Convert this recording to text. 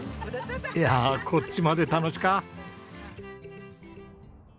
いやあこっちまで楽しか。